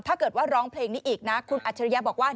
ถ้าเกิดว่าร้องเพลงนี้อีกนะคุณอัจฉริยะบอกว่า